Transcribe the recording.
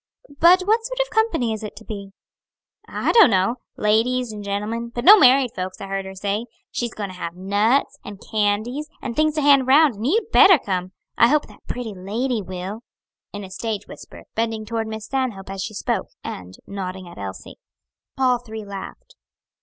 "But what sort of company is it to be?" "I dunno; ladies and gentlemen, but no married folks, I heard her say. She's goin' to have nuts, and candies, and things to hand round, and you'd better come. I hope that pretty lady will," in a stage whisper, bending toward Miss Stanhope, as she spoke, and nodding at Elsie. All three laughed.